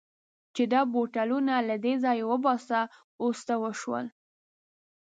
چې دا بوتلونه له دې ځایه وباسه، اوس څه شول؟